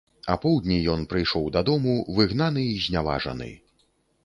Апоўдні ён прыйшоў дадому выгнаны і зняважаны.